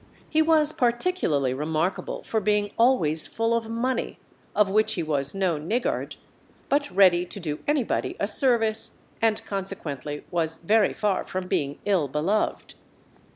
He was particularly remarkable for being always full of money, of which he was no niggard, but ready to do anybody a service, and consequently was very far from being ill beloved.